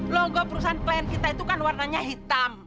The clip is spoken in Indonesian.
logo perusahaan klien kita itu kan warnanya hitam